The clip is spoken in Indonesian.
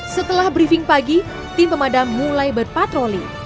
setelah briefing pagi tim pemadam mulai berpatroli